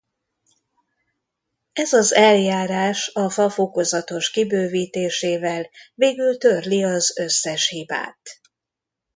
Ez az eljárás a fa fokozatos kibővítésével végül törli az összes hibát.